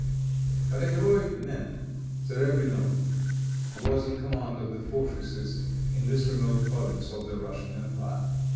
But a heroic man, Zerebrinow, was in command of the fortresses in this remote province of the Russian empire.